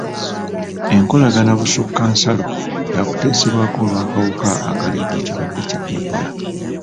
Enkolagana busukkansalo yakuteesebwako olw'akawuka akaleeta ekirwadde kya Ebola.